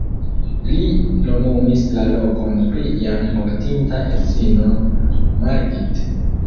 Li nomumis la lokon pri jam mortinta edzino Margit.